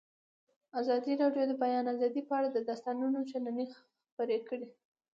ازادي راډیو د د بیان آزادي په اړه د استادانو شننې خپرې کړي.